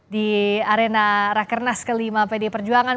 di arena rakernas ke lima pdi perjuangan